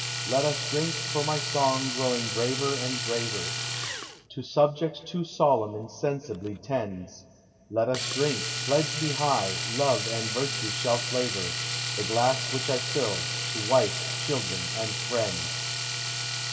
Let us drink, for my song, growing graver and graver, To subjects too solemn insensibly tends; Let us drink, pledge me high, love and virtue shall flavor The glass which I till to — wife, children, and friends.